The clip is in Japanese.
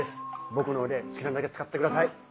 僕の腕好きなだけ使ってください。